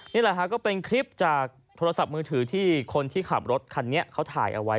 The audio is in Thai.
นี่แหละฮะก็เป็นคลิปจากโทรศัพท์มือถือที่คนที่ขับรถคันนี้เขาถ่ายเอาไว้